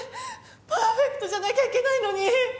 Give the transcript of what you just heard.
パーフェクトじゃなきゃいけないのに。